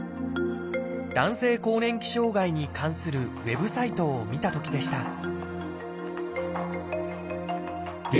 男性更年期障害に関するウェブサイトを見たときでした